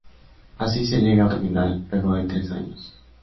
Así se llega a otra final, luego de tres años.